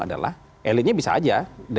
adalah elitnya bisa saja